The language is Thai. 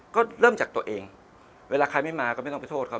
ก็เริ่มจากตัวเองเวลาใครไม่มาก็ไม่ต้องไปโทษเขา